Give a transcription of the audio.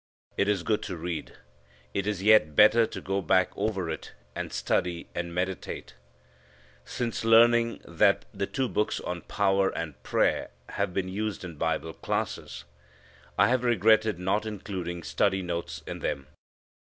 It is good to read. It is yet better to go back over it and study, and meditate. Since learning that the two books on power and prayer have been used in Bible classes I have regretted not including study notes in them.